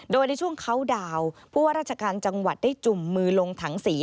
โดยในช่วงเขาดาวน์ผู้ว่าราชการจังหวัดได้จุ่มมือลงถังสี